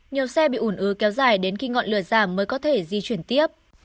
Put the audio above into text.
nhiều xe bị ủn ứ kéo dài đến khi ngọn lửa giảm mới có thể di chuyển tiếp